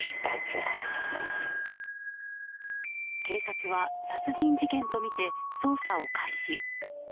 警察は殺人事件とみて捜査を開始。